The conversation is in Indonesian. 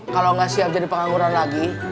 kalau nggak siap jadi pengangguran lagi